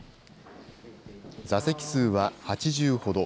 座席数は８０ほど。